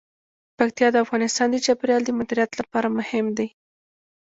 پکتیا د افغانستان د چاپیریال د مدیریت لپاره مهم دي.